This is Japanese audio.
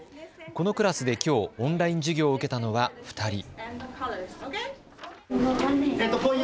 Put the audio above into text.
このクラスできょうオンライン授業を受けたのは２人。